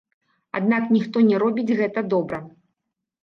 Аднак ніхто не робіць гэта добра!